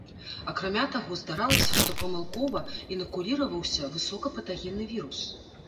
Акрамя таго, здаралася, што памылкова інакуліраваўся высока патагенны вірус.